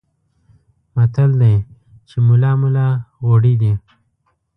متل دی چې ملا ملا غوړي دي.